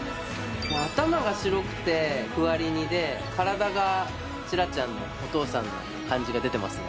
頭が白くてふわり似で体がチラちゃんのお父さんの感じが出てますね。